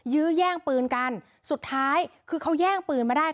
ยื้อแย่งปืนกันสุดท้ายคือเขาแย่งปืนมาได้